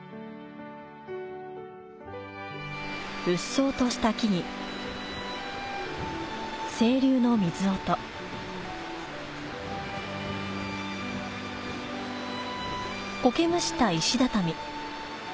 うっそうとした木々、清流の水音、苔むした石畳。